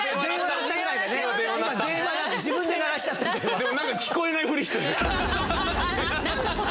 でもなんか聞こえないふりしてる。